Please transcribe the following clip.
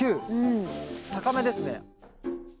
高めですね。